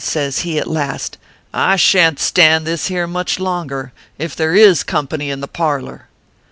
says he, at last, c I shan t stand this here much longer, if there is company in the parlor